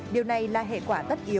điều này là hệ quả tất yếu